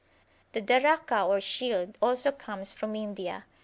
The Darakah, or shield, also comes from India.